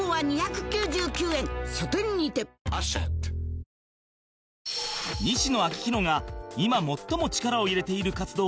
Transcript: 本麒麟西野亮廣が今最も力を入れている活動